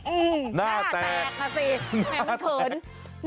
อืมหน้าแตกหน้าแตกค่ะสิแม่มันเขิน